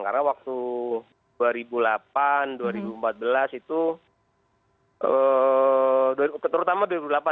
karena waktu dua ribu delapan dua ribu empat belas itu terutama dua ribu delapan